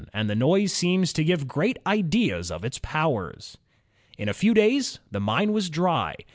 . and the noise seems to give great ideas of its powers." In a few days the mine was dry.